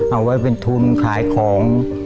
เอาไว้เป็นทุนขายของ